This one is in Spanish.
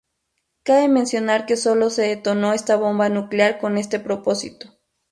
Cabe mencionar que solo se detonó esta bomba nuclear con este propósito.